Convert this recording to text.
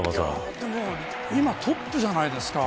今トップじゃないですか。